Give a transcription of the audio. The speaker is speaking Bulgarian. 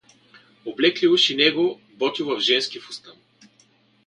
Облекли уж и него, Ботйова, в женски фустан.